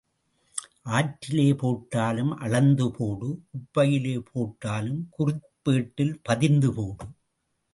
ஆற்றிலே போட்டாலும் அளந்து போடு குப்பையிலே போட்டாலும் குறிப்பேட்டில் பதிந்து போடு.